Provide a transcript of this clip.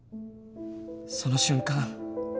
その瞬間